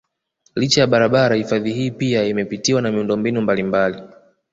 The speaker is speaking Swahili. Licha ya barabara hifadhi hii pia imepitiwa na miundombinu mbalimbali